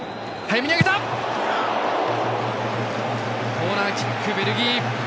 コーナーキック、ベルギー。